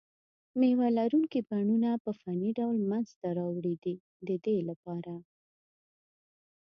مېوه لرونکي بڼونه په فني ډول منځته راوړي دي د دې لپاره.